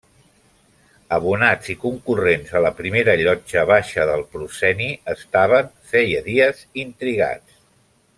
Abonats i concurrents a la primera llotja baixa del prosceni estaven, feia dies, intrigats.